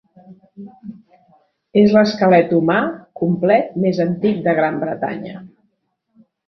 És l'esquelet humà complet més antic de Gran Bretanya.